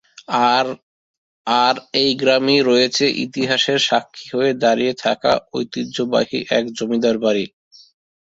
আর এই গ্রামেই রয়েছে ইতিহাসের সাক্ষী হয়ে দাড়িয়ে থাকা ঐতিহ্যবাহী এক জমিদার বাড়ি।